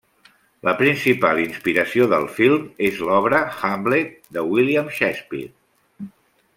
La principal inspiració del film és l'obra Hamlet de William Shakespeare.